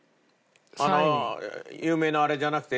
有名なあれじゃなくて？